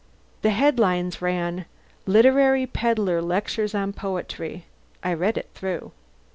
The headlines ran: "Literary Pedlar Lectures on Poetry." I read it through.